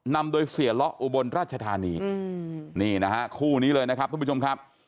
นำโดยเสียเลาะอุบลราชธานีนี่นะฮะคู่นี้เลยนะครับทุกผู้ชมครับ